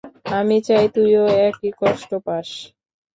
আমি চাই তুইও একই কষ্ট পাস।